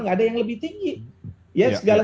nggak ada yang lebih tinggi ya segala